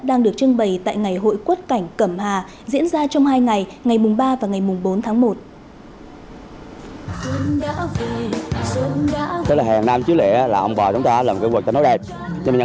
đang được trưng bày tại ngày hội quốc cảnh cẩm hà